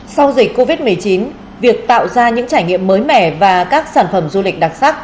sau dịch covid một mươi chín việc tạo ra những trải nghiệm mới mẻ và các sản phẩm du lịch đặc sắc